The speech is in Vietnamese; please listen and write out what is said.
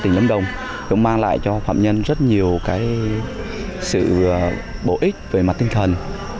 tỉnh lâm đồng cũng mang lại cho phạm nhân rất nhiều sự bổ ích về mặt tinh thần